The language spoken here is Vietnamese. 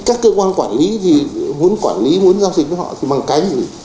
các cơ quan quản lý thì muốn quản lý muốn giao dịch với họ thì bằng cái gì